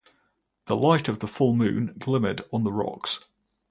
The light of the full moon glimmered on the rocks.